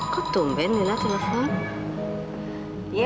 kutumbuhin dia nanti